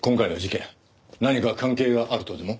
何か関係があるとでも？